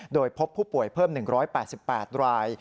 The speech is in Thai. โดยพบผู้ป่วยเพิ่ม๑๘๘ราย